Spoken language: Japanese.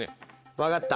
分かった。